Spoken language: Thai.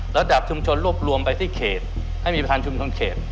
ระดับชุมชนรวบรวมไปที่เขตให้มีประธานชุมชนเขต